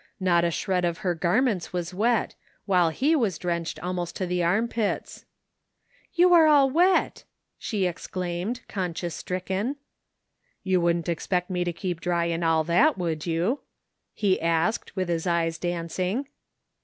Not a shred of her garments was wet, while he was drenched almost to the arm pits. " You are all wet !" she exclaimed, conscience stricken. " You wouldn't expect me to keep dry in all that, would you? '* he asked, with his eyes dancing.